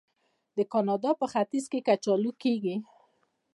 د کاناډا په ختیځ کې کچالو کیږي.